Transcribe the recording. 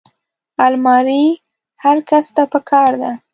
الماري هر کس ته پکار ده